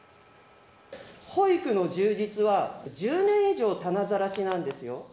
保育の充実は、１０年以上たなざらしなんですよ。